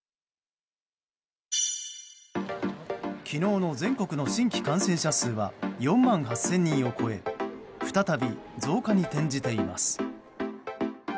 昨日の全国の新規感染者数は４万８０００人を超え再び増加に転じています。